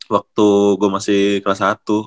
waktu gue masih kelas satu